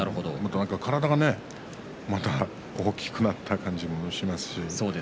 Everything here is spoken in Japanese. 体が、また大きくなった感じもしますし。